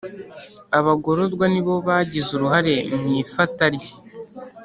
abagororwa nibo bagize uruhare mwifata rye